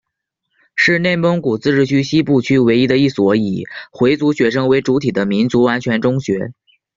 是内蒙古自治区西部区唯一的一所以回族学生为主体的民族完全中学。